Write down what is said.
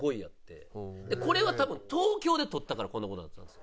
これは多分東京で取ったからこんな事になってたんです。